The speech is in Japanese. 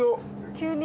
急に？